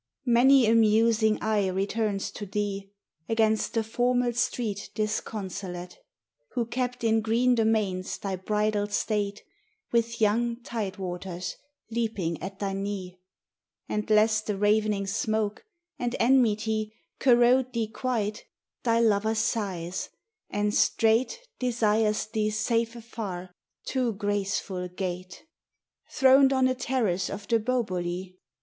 Many a musing eye returns to thee, Against the formal street disconsolate, Who kept in green domains thy bridal state, With young tide waters leaping at thy knee; And lest the ravening smoke, and enmity Corrode thee quite, thy lover sighs, and straight Desires thee safe afar, too graceful gate! Throned on a terrace of the Boboli.